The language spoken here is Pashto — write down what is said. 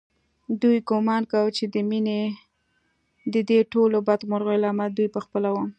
دوی ګومان کاوه چې د مينې ددې ټولو بدمرغیو لامل دوی په خپله و